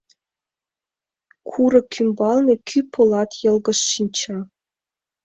Курык ӱмбалне кӱ полат йылгыж шинча.